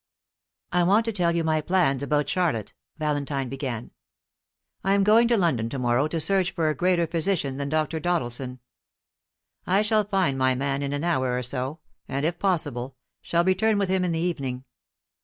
"I want to tell you my plans about Charlotte," Valentine began. "I am going to London to morrow to search for a greater physician than Dr. Doddleson. I shall find my man in an hour or so; and, if possible, shall return with him in the evening.